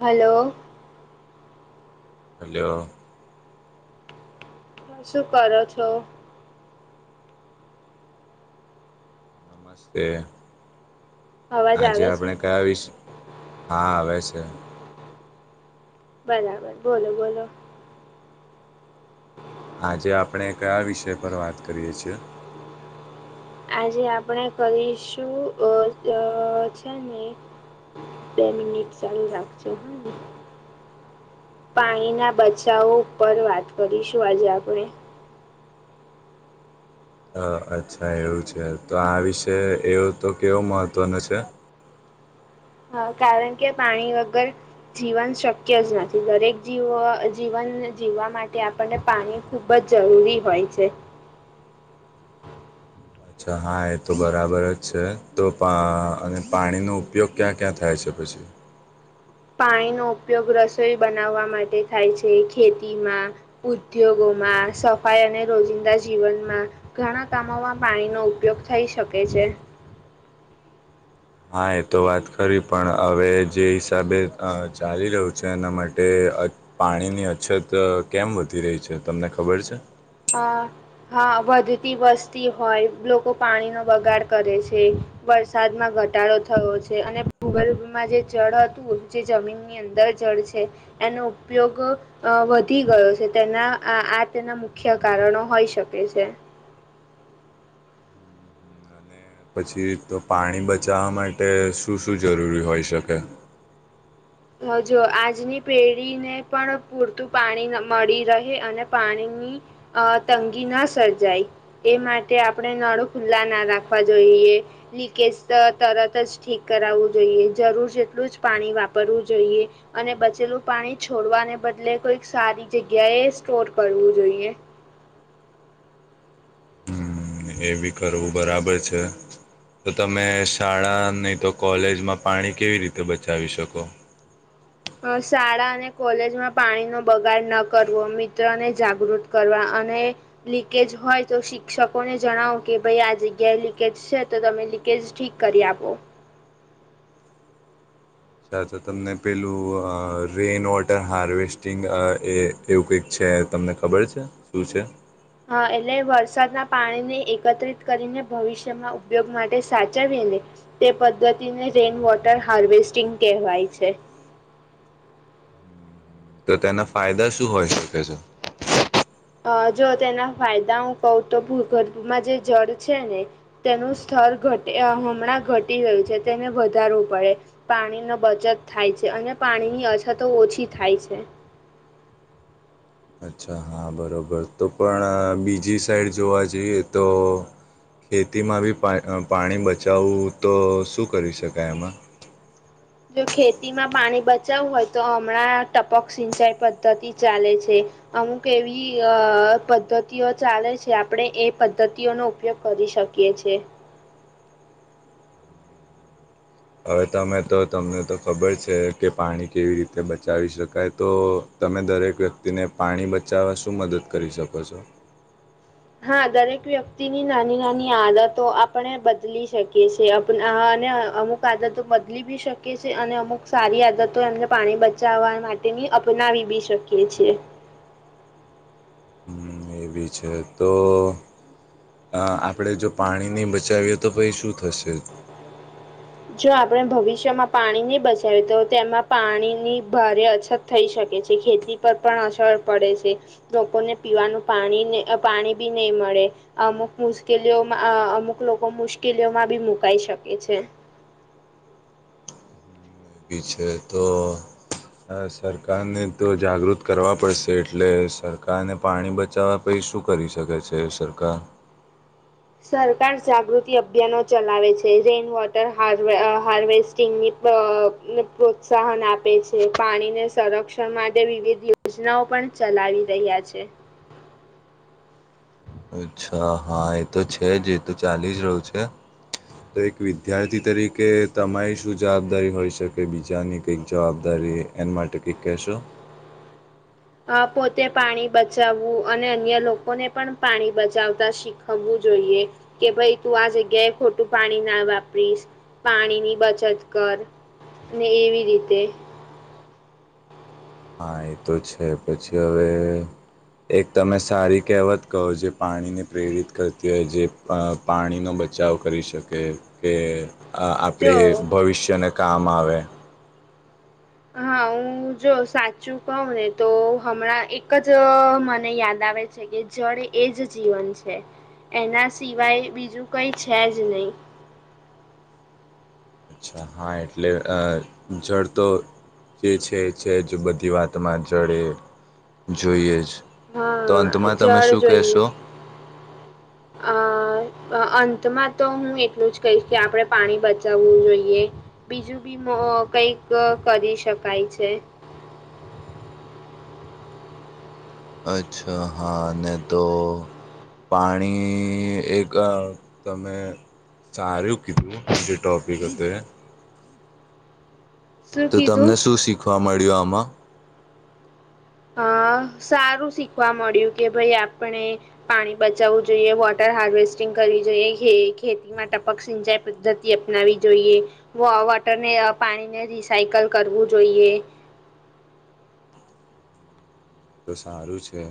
Hello- hello. શું કરો છો નમસ્તે અવાજ આજે આવે છે આપણે કયા આવીશ હા આવે છે. બરાબર બોલો બોલો. આજે આપણે કયા વિષય પર વાત કરીએ છીએ આજે આપણે કરીશું છે ને બે મિનિટ ચાલુ રાખજો હ પાણીના બચાવો ઉપર વાત કરીશું આજે આપણે અચ્છા એવું છે તો આ વિશે એવો તો કેવો મહત્ત્વનો છે. હા કારણ કે પાણી વગર જીવન શક્ય જ નથી દરેક જીવ જીવન જીવવા માટે- આપને પાણી ખુબ જ જરૂરી હોય છે. અચ્છા હા એ તો બરાબર જ છે, તો પા અને પાણીનો ઉપયોગ ક્યાં ક્યાં થાય છે પછી. પાણીનો ઉપયોગ રસોઈ બનાવવા માટે થાય છે. ખેતીમાં- ઉદ્યોગોમાં સફાઈ અને રોજિંદા જીવનમાં ઘણા કામોમાં પાણીનો ઉપયોગ થઈ શકે છે. હા એ તો વાત ખરી પણ હવે જે હિસાબે ચાલી રહ્યું છે એના માટે- પાણીની અછત કેમ વધી રહી છે તમને ખબર છે? હા વધતી વસ્તી હોય લોકો પાણીનો બગાડ કરે છે. વરસાદમાં ઘટાડો થયો છે અને ભૂગર્ભમાં જે જળ હતું જે જમીનની ની અંદર જળ છે. એનો ઉપયોગ વધી ગયો છે. તેના આ તેના- મુખ્ય કારણો હોઈ શકે છે. અને [unintelligible] પછી તો પાણી બચાવવા માટે શું શું જરૂરી હોય શકે? હ જો આજની પેઢીને પણ પૂરતું પાણી મળી રહે અને પાણીની અ તંગી ના સર્જાય એ માટે આપણે નળુ ખુલ્લા ના રાખવા જોઈએ લીકેજ તરત જ ઠીક કરાવવું જોઈએ જરૂર જેટલું જ પાણી વાપર કરવું જોઈએ- અને બચેલું પાણી છોડવાને બદલે કોઈક સારી જગ્યા એ સ્ટોર કરવું જોઈએ. અને એવી કરવું બરાબર છે. તો તમે શાળા નહીં તો કોલેજમાં પાણી કેવી રીતે બચાવી શકો. શાળા અને કોલેજમાં પાણીનોો બગાડ ન કરવો મિત્રને જાગૃત કરવા અને. લીકેજ હોય તો શિક્ષકોને જણાવો કે ભાઈ આ જગ્યાએ લીકેજ છે. તો તમે લીકેજ ઠીક- કરી આપો સા તો તમને પેલું રેઇન વોટર હાર્વેસ્ટિંગ એ એવું કંઈક છે તમને ખબર છે શું છે. હ એટલે વરસાદના પાણીને એકત્રિત કરીને ભવિષ્યમાં ઉપયોગ માટે સાચવીને તે પદ્ધતિને રેઇન વોટર હાર્વેસ્ટિંગ કહેવાય છે. તો તેના ફાયદા શું હોઈ શકે છે? અ જો તેના ફાયદા હું કહુ તો ભૂગર્ભમાં જે જળ છે ને. તેનું સ્તર ઘ હમણાં ઘટી ગયું છે તેને વધારવું પડે. પાણીનો બચત થાય છે અને પાણીની અછતો ઓછી થાય છે. અચ્છા હા બરાબર તો પણ બીજી સાઈડ જોવા જઈએ તો ખેતીમાં બી પા પાણી બચાવવું તો શું કરી શકાય એમાં જો ખેતીમાં પાણી બચાવવું હોય તો હમણાં ટપક સિંચાઈ પદ્ધતિ ચાલે છે. અમુક એવી અ પદ્ધતિઓ ચાલે છે. આપણે એ પદ્ધતિઓનો ઉપયોગ કરી શકીએ છે [unintelligible] હવે તમે તો તમને તો ખબર છે કે પાણી કેવી રીતે બચાવી શકાય તો તમે દરેક વ્યક્તિને પાણી બચાવવા શું મદદ કરી શકો છો? હા દરેક વ્યક્તિની નાની નાની આદતો આપણે બદલી શકીએ છેએ અને અમુક અમુક આદતો બદલી બી શકે છે અને અમુક સારી આદતો એમને પાણી બચાવવા માટેની અપનાવી બી શકે. કે છે. હમ એવી છે તો. આપણે જો પાણી નહીં બચાવીએ તો પછી શું થશે? જો આપણે ભવિષ્યમાં પાણી નહી બચાવ્યું તો તેમાં પાણીની ભારે અછત થઈ શકે છે. ખેતી પર પણ અસર પડે છે. લોકોને પીવાનું પાણીને પાણી બી નહી મળે. અમુક મુશ્કેલીઓમાં અમુક લોકો મુશ્કેલીઓમાં બી મુકાઈ શકે છે. પી છે તો સરકારને તો જાગૃત કરવા પડશે એટલે સરકારને પાણી બચાવવા કઈ શું કરી શકે છે સરકાર? સરકાર જાગૃતિ અભિયાનો ચલાવે છે રેઇન વોટર હાર્વે હાર્વેસ્ટિંગની તો ને પ્રોત્સાહન આપે છે પાણીને સંરક્ષણ માટે વિવિધ યોજનાઓ પણ ચલાવી રહ્યા છે. અચ્છા હા એ તો છે જ એ તો ચાલી જ રહ્યું છે. તો એક વિદ્યાર્થી તરીકે તમારી શું જવાબદારી હોઈ શકે બીજાની કંઈક જવાબદારીએ એન માટે કંઈક કેહશો? અ પોતે પાણી બચાવવું અને અન્ય લોકોને પણ પાણી બચાવતા શીખવવું જોઈએ. કે ભાઈ તું આ જગ્યાએ ખોટું પાણી ના વાપરીશ, પાણીની બચત કર. ને એવી રીતે. હા એ તો છે. પછી હવે એક તમે સારી કહેવત કહો જે પાણીને પ્રેરિત કરતી હોય જે પાણીનો બચાવ કરી શકે કે આ આપડે જો ભવિષ્યને કામ આવે. હા હું જો સાચું કઉ ને તો હમણાં એક જ મને યાદ આવે છે. કે જળ એ જ જીવન છે, એના સિવાય બીજું કઈ છે જ નહીં. અચ્છા હા એટલે અ જળ તો જે છે છે જ બધી વાતમાં જળે. જોઈએ જ. તો હા અંતમાં તમે જળ શું કહેશો? આ અંતમાં તો હું એટલું જ કહીશ કે આપણે પાણી બચાવવું જોઈએ. બીજું બીમો કંઈક અ કરી શકાય છે. અચ્છા હા નઈ તો પાણી એક અ તમે સારુ કીધું જે ટોપિક હતો એ. શું તો કીધું? તમને શું શીખવા મળ્યું આમાં? અ સારું શીખવા મળ્યું કે ભાઈ આપણે પાણી બચાવવું જોઈએ, વોટર હાર્વેસ્ટિંગ કરવી જોઈએ, ખેતીમાં ટપક સિંચાઈ પદ્ધતિ અપનાવી જોઈએ, વોટરને પાણીને રિસાયકલ કરવું જોઈએ. તો સારું છે.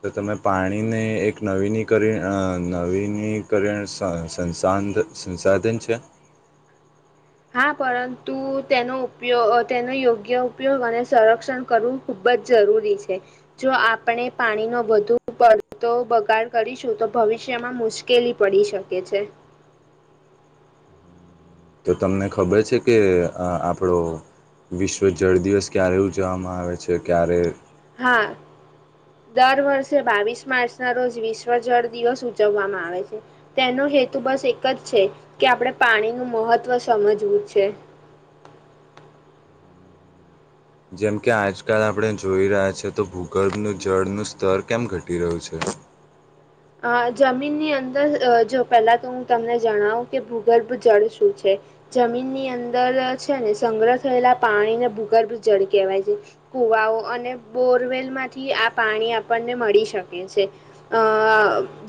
તો તમે પાણીને એક નવીનીકરણ નવીનીકરણ સં સંસાધ સંસાધન છે. હા પરંતુ તેનો ઉપયોગ તેનો યોગ્ય ઉપયોગ અને સંરક્ષણ કરું. ખુબ જ જરૂરી છે. જો આપણે પાણી ન વધુ પડતો બગાડ કરીશું તો ભવિષ્યમાં મુશ્કેલ ઉકેલી પડી શકે છે. તો તમને ખબર છે કે અ આપણો વિશ્વ જળ દિવસ ક્યારે ઉજવવામાં આવે છે? ક્યારે હા. દર વર્ષે બાવીસ માર્ચના રોજ વિશ્વ જળ દિવસ ઉજવવામાં આવે છે. તેનો હેતુ બસ એક જ છે કે, આપણે પાણી નું મહત્વ સમજવું છે. જેમ કે આજકાલ આપણે જોઈ રહ્યા છે તો ભૂગર્ભનું જળનું સ્તર કેમ ઘટી રહ્યું છે? અ જમીનની અંદર અ જો પહેલા તો હું તમને જણાવું કે ભૂગર્ભ જળ શું છે? જમીનની અંદર છે ને સંગ્રહ થયેલા પાણીને ભૂગર્ભ જળ કહેવાય છે. કુવાઓ અને બોરવેલમાંથી આ પાણી આપણને મળી શકે છે. અ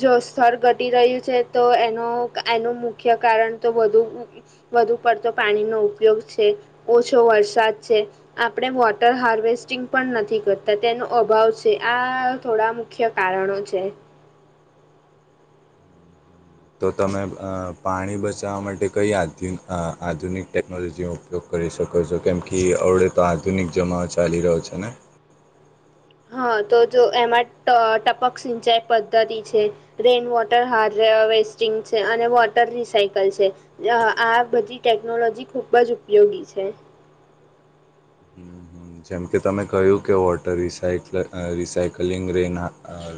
જો સ્થર ઘટી રહ્યું છે તો એનો એનું મુખ્ય કારણ તો વધુ વધુ પડતો પાણીનો ઉપયોગ છે. ઓછો વરસાદ છે. આપણે વોટર હાર્વેસ્ટિંગ પણ નથી કરતા તેનો અભાવ છે. આ થોડા મુખ્ય કારણો છે. તો તમે અ પાણી બચાવવા માટે કઈ આધુન આધુનિક ટેકનોલોજીઓ ઉપયોગ કરી શકો છો? કેમ કે અવડે તો આધુનિક જમાનો ચાલી રહ્યો છે ને? હા તો જો એમાં ટ ટપક સિંચાઈ પદ્ધતિ છે રેઇન વોટર હાર વેસ્ટિંગ છે અને વોટર રિસાયકલ છે. અ આ બધી ટેકનોલોજી ખુબ જ ઉપયોગી છે. હમ હમ જેમ કે તમે કહ્યું કે વોટર રિસાયકલ રિસાયકલિંગ રેના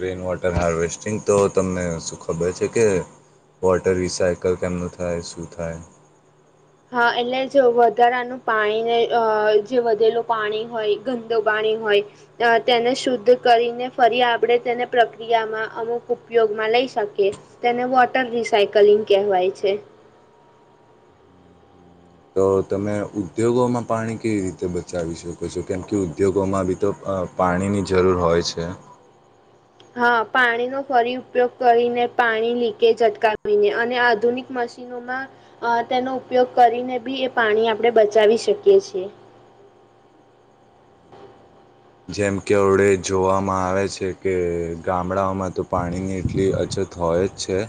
રેઇન વોટર હાર્વેસ્ટિંગ. તો તમને શું ખબર છે કે વોટર રિસાયકલ કેમનું થાય શું થાય? હા! એટલે જો વધારાનું પાણીને અ જે વધેલું પાણી હોય ગંદું પાણી હોય અ તેને શુદ્ધ કરીને ફરી આપણે તેને પ્રક્રિયામાં અમુક ઉપયોગમાં લઈ શકીએ. તેને વોટર રિસાયકલિંગ કહેવાય છે. તો તમે ઉદ્યોગોમાં પાણી કેવી રીતે બચાવી શકો છો? કેમ કે ઉદ્યોગોમાં બી તો અ પાણીની જરૂર હોય છે. હા પાણીનો ફરી ઉપયોગ કરીને, પાણી લીકેજ અટકાવીને અને આધુનિક મશીન નોમાં અ તેનો ઉપયોગ કરીને બી એ પાણી આપણે બચાવી શકીએ છીએ. જેમ કે અવળે જોવામાં આવે છે કે, ગામડાઓમાં તો પાણીની એટલી અછત હોય જ છે.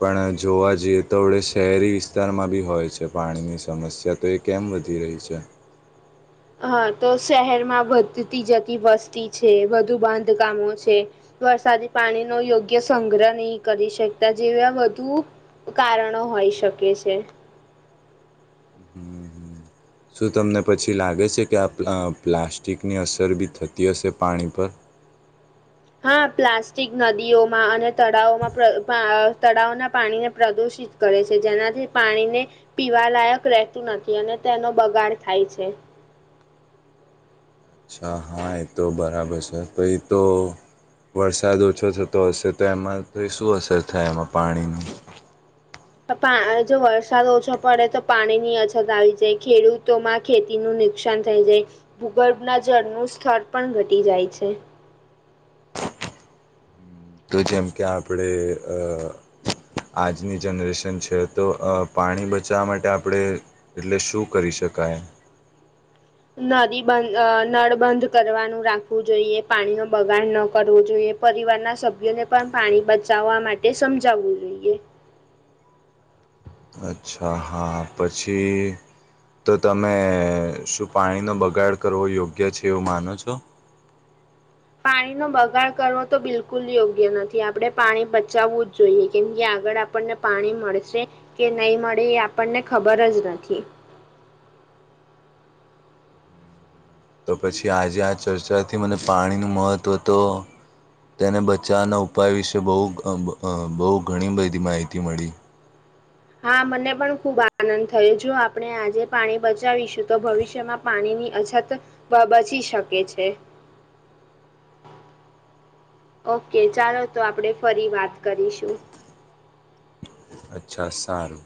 પણ જોવા જઈએ તો આપડે શહેરી વિસ્તારમાં બી હોય છે પાણીની સમસ્યા. તો એ કેમ વધી રહી છે? હા, તો શહેરમાં વધતી જતી વસ્તી છે, વધુ બાંધકામો છે, વરસાદી પાણીનો યોગ્ય સંગ્રહ નહી કરી શકતા. જેવા વધુ કારણો હોઈ શકે છે. હમ હમ. [unintelligible] શું તમને પછી લાગે છે કે આ પ પ્લાસ્ટિકની અસર બી થતી હશે પાણી પર? હા, પ્લાસ્ટિક નદીઓમાં અને તળાવમાં પ તળાવના પાણીને પ્રદુષિત કરે છે જેનાથી પાણીને પીવા લાયક રહેતું નથી અને તેનો બગાડ થાય છે. હા હા એ તો બરાબર છે. પહિ તો વરસાદ ઓછો થતો હશે તો એમાં તો એ શું અસર થાય એમાં પાણીની? પપા જો વરસાદ ઓછો પડે તો પાણીની અછત આવી જાય, ખેડૂતોમાં ખેતીનું નુકસાન થઈ જાય, ભૂગર્ભના જળનું સ્થળ પણ ઘટી જાય છે. તો જેમ કે આપણે અ આજની જનરેશન છે, તો પાણી બચાવવા માટે આપણે એટલે શું કરી શકાય એમ? નદી બંધ અ નળ બંધ કરવાનું રાખવું જોઈએ, પાણી ન બગાડ ન કરવો જોઈએ પરિવાર ના સભ્યોને પણ પાણી બચાવવા માટે સમજાવવું જોઈએ. અચ્છા, હા પછી તો તમે શું પાણીનો બગાડ કરવો યોગ્ય છે, એવું માનો છો? પાણીનો બગાડ કરવો તો બિલકુલ યોગ્ય નથી. આપણે પાણી બચાવવું જ જોઈએ, કેમ કે આગળ આપણને પાણી મળશે કે નહીં મળે એ આપણને ખબર જ નથી. તો પછી આજે આ ચર્ચાથી મને પાણીનું મહત્વ તો તેને બચાવવાના ઉપાય વિશે બહુ અહ બહુ ઘણી બધી માહિતી મળી. હા મને પણ ખુબ આનંદ થયો, જો આપણે આજે પાણી બચાવીશું તો ભવિષ્યમાં પાણીની અછત બ બચી શકે છે. ઓકે, ચાલો તો આપણેે ફરી વાત કરીશું. અચ્છા, સારું.